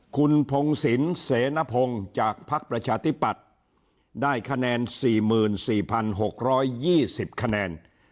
คุณพงศิลป์เสนพงภ์จากภักดิ์ประชาธิบัติได้ขนาด๔๔๖๒๐